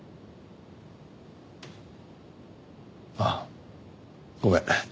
あっごめん。